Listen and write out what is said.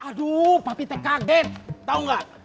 aduh papi teh kaget tau gak